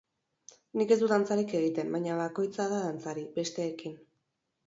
Nik ez dut dantzarik egiten, baina bakoitza da dantzari, besteekin.